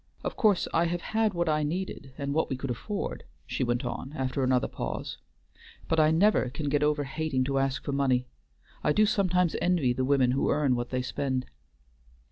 Of course I have had what I needed and what we could afford," she went on, after another pause, "but I never can get over hating to ask for money. I do sometimes envy the women who earn what they spend."